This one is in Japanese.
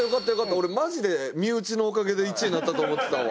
俺マジで身内のおかげで１位になったと思ってたわ。